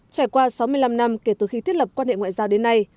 trải qua sáu mươi năm năm kể từ khi thiết lập quan hệ ngoại giao đến nay